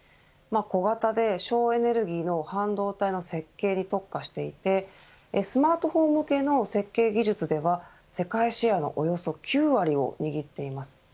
小型で省エネルギーの半導体の設計に特化していてスマートフォン向けの設計技術では世界シェアのおよそ９割を握っています。